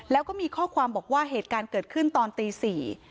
แล้วก็มีข้อความบอกว่าเหตุการณ์เกิดขึ้นตอนตีสี่